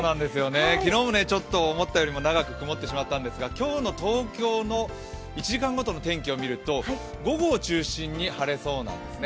昨日、思ったよりも長く曇ってしまったんですが、今日の東京の１時間ごとの天気を見ると、午後を中心に晴れそうなんですね。